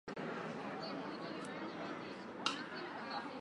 Bi erreiak itxita, lau kilometroko ilarak sortu dira.